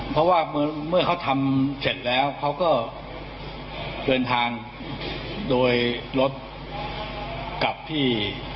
เพราะว่าเมื่อเขาทำเสร็จแล้วเขาก็เดินทางโดยรถกลับที่